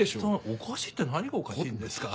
おかしいって何がおかしいんですか？